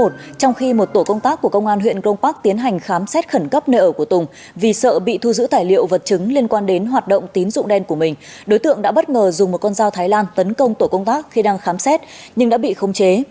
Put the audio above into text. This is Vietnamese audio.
trong khi một tổ công tác của công an huyện grong park tiến hành khám xét khẩn cấp nơi ở của tùng vì sợ bị thu giữ tài liệu vật chứng liên quan đến hoạt động tín dụng đen của mình đối tượng đã bất ngờ dùng một con dao thái lan tấn công tổ công tác khi đang khám xét nhưng đã bị khống chế